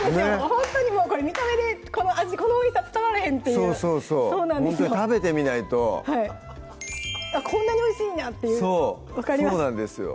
ほんとにこれ見た目でこの味このおいしさ伝われへんっていうほんとに食べてみないとこんなにおいしいんだっていうそうそうなんですよ